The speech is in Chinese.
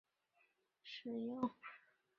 最初被社会主义共和运动所使用。